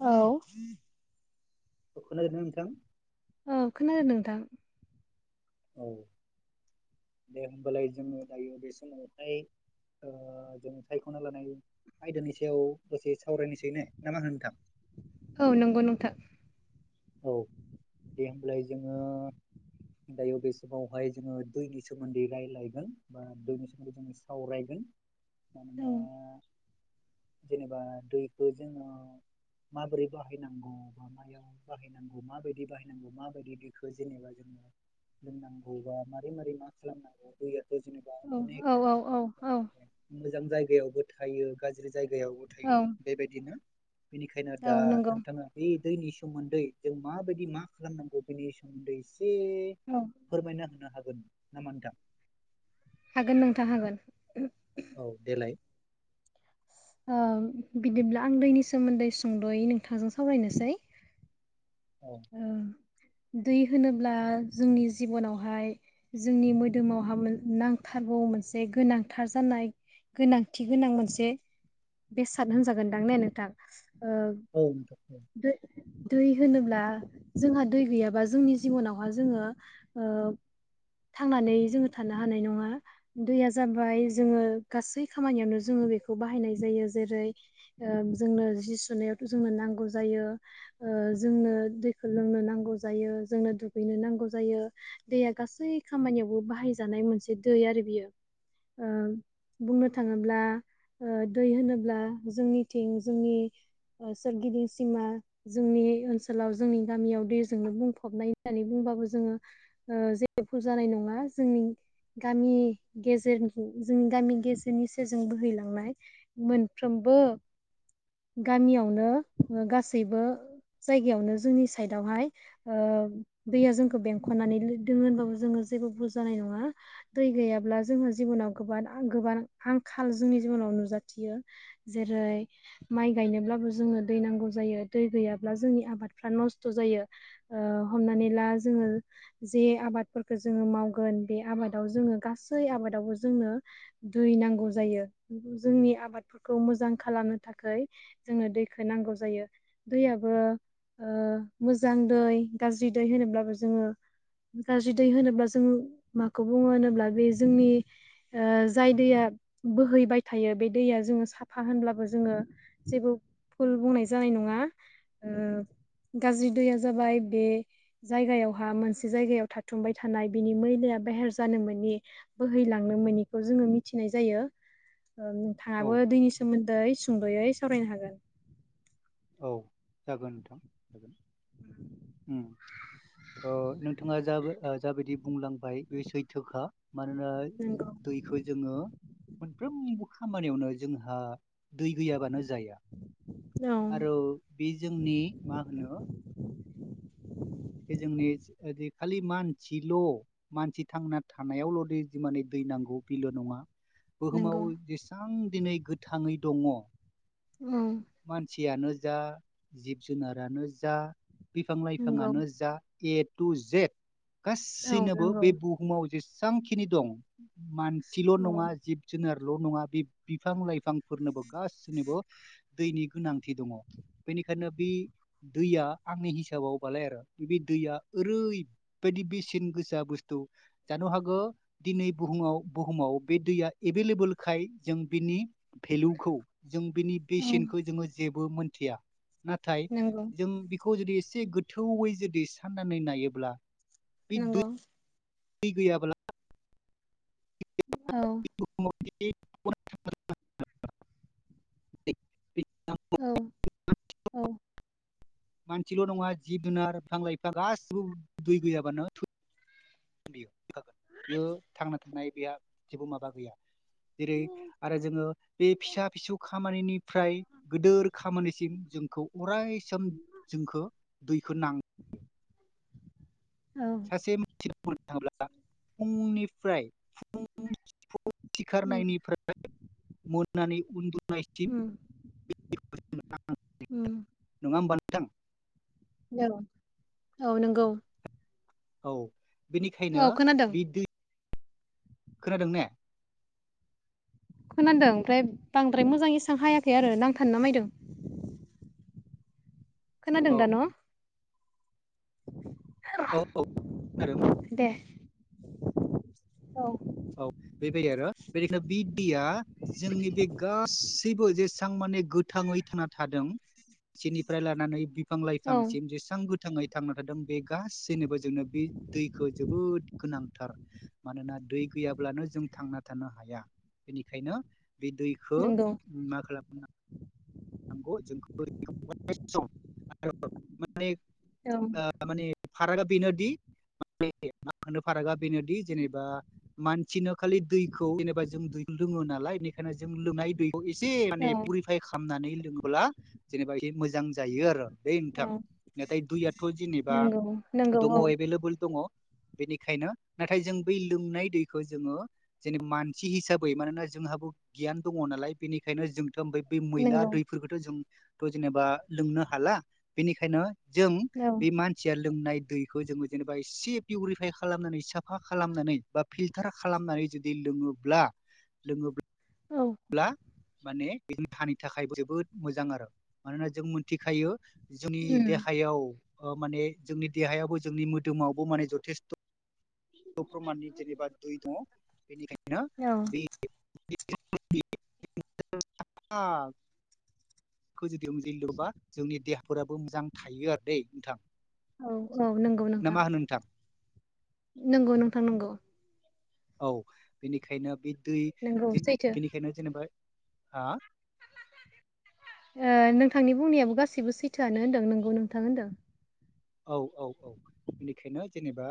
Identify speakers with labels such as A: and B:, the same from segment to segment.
A: औ
B: खोनादोंना नोंथां?
A: औ खोनादों नोंथां?
B: औ दे होमबालाय जोङो दायो बे समावहाय- ओ जों सायख'ना लानाय- आयदानि सायाव दसे सावरायनोसै ने ना मा होनो नोंथां?
A: औ नंगौ नंथां
B: औ दे होमलाय जोङो- दायो बे समावहाय जोङो दैनि सोमोन्दै रायलायगोन बा दैनि सोमोन्दै जोङो सावरायगोन-
A: औ
B: मानोना जेनेबा दैखौ जोङो माबोरै बाहायनांगौ बा मायाव- बाहायनांगौ माबायदि बाहायनांगौ माबायदि बेखो जेनेबा जों- लोंनांगौ बा मारै मारै मा खालामनांगौ दैया-
A: औ औ औ औ औ
B: मोजां जायगायावबो थायो गाज्रि जायगायावबो
A: औ
B: थायो बेबायदिनो- बेनिखायनो
A: औ
B: दा
A: नंगौ
B: नोंथाङा बे दैनि सोमोन। दै जों माबायदि मा खालामनांगौ बेनि सोमोन्दै एसे
A: औ
B: फोरमायना होनो हागो न नामा नोंथां
A: हागोन नोंथां हागोन।
B: औ देलाय
A: ओ बिदिब्ला आं दैनि सोमोन्दै सुंद'यै नोंथांजों सावरायनोसै
B: औ
A: ओ दै होनोब्ला जोंनि जिबनावहाय जोंनि मोदोमावहा नांथार- गौ मोनसे गोनांथार जानाय गोनांथि गोनां मोनसे- बेसाद होनजागोनदां ने नोंथां- ओ
B: औ नोंथां औ
A: दै दै होनोब्ला जोंहा दै गैयाबा जोंनि जिबनावहा जोङो- थांनानै जोङो थानो हानाय नङा दैया जाबाय जोङो गासै खामानियावनो जोङो- बेखौ बाहायनाय जायो जेरै जोंनो जि सुनायावथ' जोंनो नांगौ जायो। जोंनो दै- खौ लोंनो नांगौ जायो जोंनो दुगैनो नांगौ जायो दैया गासै खामानियावबो बाहाय जानाय- मोनसे दै आरो बियो बुंनो थाङोब्ला- दै होनोब्ला जोंनिथिं जोंनि सोरगिदिं सिमा जोंनि ओनसोलाव- जोंनि गामियाव दैजोंनो बुंफबनाय होननानै बुंबाबो जोङो जेबो भुल जानाय नङा जोंनि- गामि गेजेरनि जोंनि गामि गेजेरनि सेरजों बोहैलांनाय मोनफ्रोम बो गामियावनो गासैबो- जायगायावनो जोंनि साइदआवहाय ओ दैया जोंखौ बेंखनानै लो दोङो होनबाबो जोङो जेबो भुलजानाय नङा दै गैयाब्ला जोंहा जिबनाव गोबाद गोबान आंखाल जोंनि जिबनाव- नुजाथियो जेरै- माइ गायनोब्लाबो जोङो दै नांगौ जायो दै गैयाब्ला जोंनि आबादफ्रा नस्थ जायो ओ। हमनानै ला जोङो जे आबादफोरखौ जोङो मावगोन बे आबादाव जोङो गासै आबाद- दावबो जोंनो दै नांगौ जायो जोंनि आबादफोरखौ मोजां खालामनो थाखाय- खै जोंनो दैखौ नांगौ जायो दैयाबो ओ मोजां दै गाज्रि दै होनोब्लाबो जोङो- गाज्रि दै होनोब्ला जों माखौ बुङो होनोब्ला बे जोंनि ओ जाय दैया बोहैबाय थायो बे दैया जोङो साफा होनब्लाबो जोङो। जेबो फुल बुंनाय जानाय नङा ओ- गाज्रि दैया जाबाय बे जायगायावहा मोनसे जायगायाव थाथुमबाय थानाय बिनि मैलया बेहेर जानो मोनि बोहैलांनो मनिखौ जोङो मिथिनाय जायो ओ
B: औ
A: नोंथाङाबो दैनि
B: नोंथां
A: सोमोन्दै सुंदयै सावरायनो हागोन।
B: औ जागोन नोंथां। ओ नोंथाङा जाबो ओ जाबायदि बुंलांबाय बे सैथोखा मानोना
A: नोंगौ
B: दैखो जोङो साफ्रोमबो खामानियावनो जोंहा दै गैयाबानो जाया।
A: औ
B: आरो बे जोंनि मा होनो बे जोंनि खालि मानसिल' मानसि थांना थानायावल दै माने दै नांगौ बिल' नङा
A: नंगौ
B: बुहुमाव जेसेबां दिनै गोथाङै दङ'
A: उम।
B: खुथियानो जा जिब जुनारानो जा बिफां
A: नंगौ
B: लाइफाङानो जा जा ए टु जेट
A: औ
B: गासैनोबो
A: नंगौ
B: बे बुहुमाव जेस एसांखिनि दं मानसिल'
A: औ
B: नङा जिब जुनार ल' नङा बे बिफां लाइफांफोरनोबो गाससिनोबो दैनि गोनांथि दङ' बेनि बेखायनो बे दैया आंनि हिसाबावबालाय आरो बे दैया ओरैबायदि बेसेन गोसा बुस्थु जानो हागौ दिनै बुहुम हुमाव बुहुमाव बे दैया एभेलेबेलखाय जों बिनि भेलुखौ जों बिनि
A: औ
B: बेसेनखौ जोङो जेबो मोनथिया नाथाय
A: नंगौ
B: जों बिखौ जुदि एसे गोथौयै जुदि साननानै नायोब्ला
A: नंगौ।
B: बि गैयााबला
A: औ।
B: [unintelligible] [unintelligible]
A: औ औ।
B: मानसिल' नङा जिब जुनार बिफां लाइ बिफां गासिबो दै गयाबानो थै बे थैखागोन बेयो थांना थानाय गैया जेबो माबा गैया जेरै आरो जोङो बे फिसा फिसौ खामानिनिफ्राय गिदोर खामानिसिम जोंखौ अरायसम जोंखौ दैखौ नां
A: औ
B: सासे मानसिना बुंनो थाङोब्ला फुंनिफ्राय
A: उम
B: सिखारनायनिफ्राय मोननानै उन्दु नायसिम
A: उम
B: [unintelligible]
A: उम
B: नङा होमबा नोंथां?
A: औ औ नंगौ।
B: औ बेनिखायनो
A: औ खोनादों
B: बि दै, खोनादों ने?
A: खोनादों ओमफ्राय बांद्राय मोजां इसां हायाखै आरो नांथानो नामायदों। खोनादों
B: औ
A: दा न'? [inaudible]
B: औ औ खोनादों।
A: दे औ।
B: औ [unintelligible] बेनिखायनो बे दैया जोंनि गासै थैबो जेसां माने गोथाङै थांना थादों सेनिफ्राय लानानै फां
A: औ
B: लाइफांसिम जेसां गोथाङै थांना थादों बे गासैनोबो जोंनो बे दैखो जोबोद गोनांथार मानोना दै गैयाब्लानो जों थांना थानो हाया बेनिखायनो बे दैखो
A: नंगौ
B: मा खालाम नांगौ [unintelligible] माने
A: औ
B: ओ माने फारागा बेनोदि मानो फारागा बेनोदि जेनेबा मानसिनो खालि दैखौ जेनेबा जों दैखो लोङो नालाय बेनिखायनो जों लोनाय दै खौ एसे
A: औ
B: माने पुरिफाइ खामनानै लोङोब्ला जेनेबा एसे मोजां जायो आरो। बे नोंथां
A: औ
B: नाथाय दुयाथ जेनेबा
A: नंगौ नंगौ
B: दङ
A: औ
B: एभेलेबोल दङ बेनिखायनो नाथाय जों बै लोंनाय दैखो जोङो जेने मानसि हिसाबै मानोना जोंहा हाबो गियान दङ नालाय बेनिखायनो जों थोमबै बै मैला
A: नंगौ
B: दैफोरखोथ जों थ जेनेबा लोंनो हाला बेनिखायनो जों
A: औ
B: बे मानसिया लोंनाय दैखो जोङो जेनेबा एसे पिउरिफाय खालामनानै साफा खालामनानै बा फिलटार खालामनानै जुदि लोङोब्ला लोङोबा
A: औ
B: ब्ला माने बे देहानि थाखाय जोबोद मोजां आरो मानोना जों मोनथिखायो जोंनि
A: उम
B: देहायाव ओ माने जोंनि देहायाबो जोंनि मोदोमावबो माने जथेस्थ प्रमाननि जेनेबा दै दङ बेनिखायनो
A: औ
B: बे [unintelligible] बेखौ जुदि जै लोबा जोंनि देहाफोराबो मोजां थायो आरो दे नोंथां
A: औ औ नोंगौ
B: ना
A: नोंथां
B: मा होनो
A: नोंगौ नोंथां नोंगौ
B: औ बेनिखायनो बे दै
A: नंगौ सैथो
B: बेनिखायनो जेनेबा आ [inaudible]
A: ओ नोंथांनि बुंनायाबो गासैबो सैथोयानो होनदों नोंगौ नोंथां होनदों
B: औ औ औ बेनिखायनो जेनेबा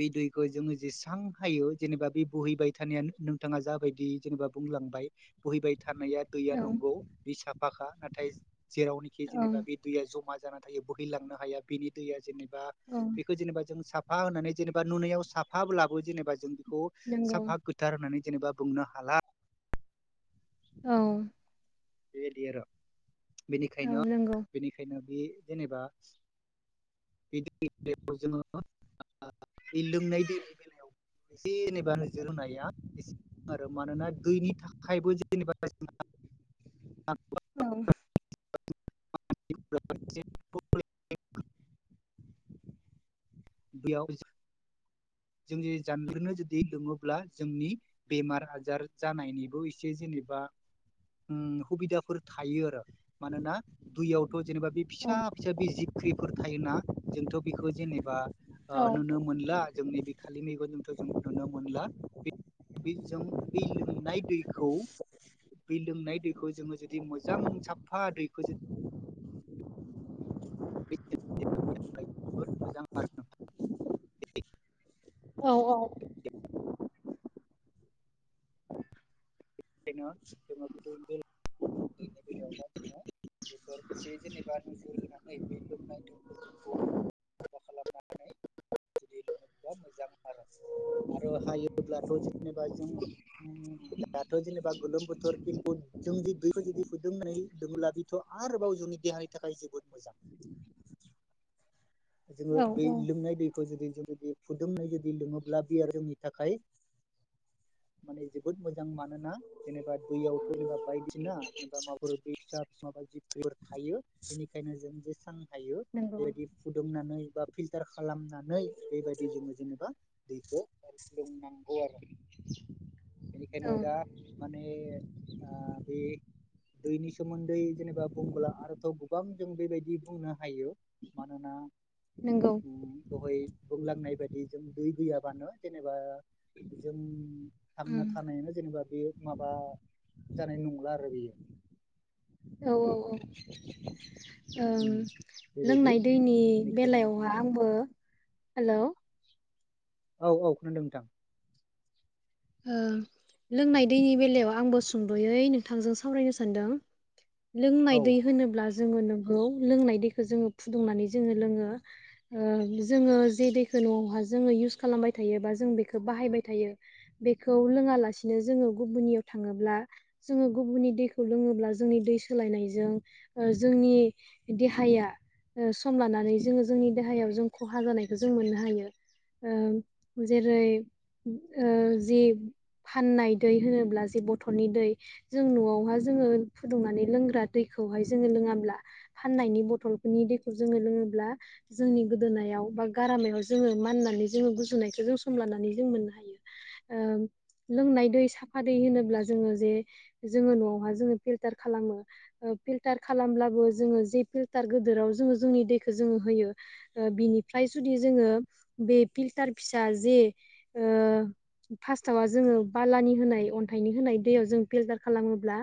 B: बे दैखो जोङो जेसेबां हायो जेनेबा बे बोहैबाय थानायानो नोंथाङा जाबायदि जेनेबा बुंलांबाय बोहैबाय थानाया दैया
A: औ
B: नंगौ बे साफाखा नाथाय जेरावनोखि
A: औ
B: जेनेबा बे दैया जमा जाना थायो बोहैलांनो हाया बेनि दैया जेनेबा
A: औ
B: बेखो जेनेबा जों साफ फा होनानै जेनेबा नुनायाव साफाब्लाबो जेनेबा जों बेखौ
A: नंगौ
B: साफा गोथार होननानै जेनेबा बुंनो हाला
A: औ
B: बेबायदि आरो
A: औ
B: बेनिखायनो
A: नंगौ
B: बेनिखायनो बे जेनेबा बे दैनि बे जोङो बे लोंनाय दैनि बेलायाव जेनेबा नोजोर होनाया एसे आरो मानोना दैनि थाखायबो जेनेबा जों आ
A: औ
B: [unintelligible] दैयाव जोंनि जानगारनो जुदि लोङोब्ला जोंनि बेमार आजार जानायनिबो एसे जेनि बा ओं हुबिदाफोर थायो आरो मानोना दुयाव जेनेबा बे फिसा
A: औ
B: फिसा बे जिबख्रिफोर थायोना जोंथ बेखौ जेनेबा ओ
A: औ
B: नुनो मोनला जोंनि बि बेबादिनथ जों नुनो मोनला जों बे लोंनाय दैखौ दै लोंनाय दैखौ जोङो जुदि मोजां साफा दैखौ ज [unintelligible]
A: औ औ
B: [unintelligible] दैनि बेलायावबा जोङो बेफोर एसे जेनेबा जुर होनानै बे लोमनाय दैफोरखौ माबा खालामनानै जुदि लोंङोब्ला मोजां आरो आरो हायोब्लाथ' जेनेबा जों दाथ' जेनेबा गोलोम बोथोर खिन्थु जोंदि दैखौ जुदि फुदुंनाय लोङोब्ला बेथ' आरोबाव जोंनि देहानि थाखाय जोबोद मोजां जोङो
A: औ
B: बे
A: औ
B: लोंनाय दैखौ जुदि जों जुदि फुदुंनाय जुदि लोङोब्ला बेयो जोंनि थाखाय माने जोबोद मोजां मानोना जेनेबा दैयावथ' जेनेबा बायदिसिना जेनेबा माबाफोर बे फिसा फिसा जिबफोर थायो बेनिखायनो जों जे सां
A: नोंगौ
B: लोंनानै बा फिल्टार खालामनानै बेबायदि जोङो जेनेबा दैखौ लोंनांगौ आरो बेनिखायनो
A: औ
B: दा माने आ बे दैनि सोमोन्दै जेनेबा बुंब्ला आरोथ' गोबां जों बेबायदि बुंनो हायो। मानोना
A: नोंगौ।
B: दहाय बुंलांनाय बायदि जों दै गैयाबानो जेनेबा जों थांना
A: उम
B: थानायानो जेने बा बेयो माबा जानाय नंला आरो बेयो।
A: औ औ औ।
B: उम
A: ओं
B: बेबायदि
A: लोंनाय दैनि
B: बेनिखायनो
A: बेलायावहा
B: जेनेबा
A: आंबो हेलौ
B: औ औ खोनादों नोंथां।
A: ओ लोंनाय दैनि बेलायाव आंबो सुंद'यै नोंथांजों सावरायनो सानदों।
B: औ
A: लोंनाय दै होनोब्ला जोङो नोंगौ लोंनाय दैखो जोङो फुदुंनानै जोङो लोङो ओ जोङो जे दैखो न'आवहा जोङो इउस खालामबाय थायो बा जों बेखो बाहायबाय थायो बेखौ लोङालासिनो जोङो गुबुननियाव थाङोब्ला जोङो गुबुननि दैखौ लोङोब्ला जोंनि दै सोलायनायजों ओ जोंनि देहाया ओ सम लानानै जोङो जोंनि देहायाव जों खहा जानायखौ जों मोननो हायो। ओ जेरै ओ जि फाननाय दै होनोब्ला जे बथलनि दै जों न'आवहा जोङो फुदुंनानै लोंग्रा दै खौहाय जोङो लोङाब्ला फाननायनि बथलफोरनि दैखौ जोङो लोङोब्ला जोंनि गोदोनायाव बा गारामायाव जोङो माननानै जोङो गुजुनायखौ जों सम लानानै जों मोननो हायो। ओ
B: [unintelligible]
A: लोंनाय दै साफा दै होनोब्ला जोङो जे जोङो न'आवहा जोङो फिलटार खालामो ओ फिलटार खालामब्लाबो जोङो जि फिलटार गोदोराव जोङो जोंनि दैखो जोङो होयो ओ बिनिफ्रा य जुदि जोङो बे फिल्टार फिसा जे ओ फार्स्टावा जोङो बालानि होनाय अन्थाइनि होनाय दैयाव जों फिलटार खालामोब्ला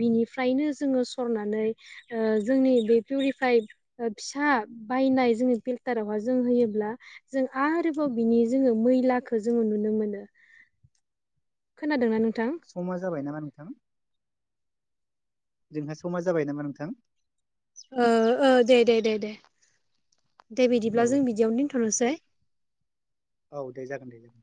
A: बिनि फ्रायनो जोङो सरनानै ओ जोंनि बे पिउरिफाइ ओ फिसा बायनाय जोंङो फिल्टारावहा जों होयोब्ला जों आरोबाव बिनि जोङो मैलाखो जोङो नुनो मोनो। खोनादों ना नों
B: समा जाबाय नामा नोंथां? जोंहा समा जाबाय नामा नोंथां?
A: ओ ओ दे दे दे दे। दे
B: औ
A: बिदिब्ला जों बिदियावनो दोनथ'नोसै।
B: औ दे जागोन दे जागोन।